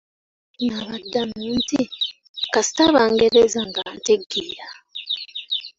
N’abaddamu nti, “Kasita Bangereza nga ntegeera.῎